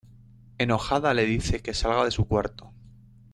Enojada le dice que salga de su cuarto.